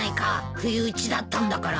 不意打ちだったんだから。